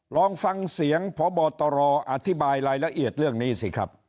ลองฟังเสียงพบตรอธิบายรายละเอียดเรื่องนี้สิครับ